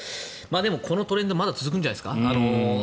でも、このトレンドはまだ続くんじゃないですか。